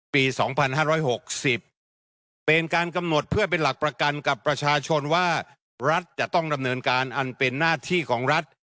ปี๒๕๖๐เป็นการกำหนดเพื่อเป็นหลักประกันกับประชาชนว่ารัฐจะต้องดำเนินการอันเป็นหน้าที่ของรัฐ